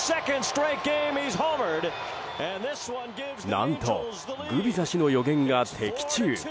何とグビザ氏の予言が的中。